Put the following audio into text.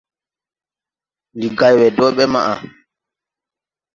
Ndi gay we dɔɔ ɓɛ maʼa.